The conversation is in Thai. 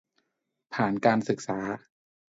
ผ่านการศึกษา